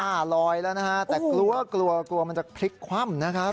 ลอยแล้วนะฮะแต่กลัวกลัวมันจะพลิกคว่ำนะครับ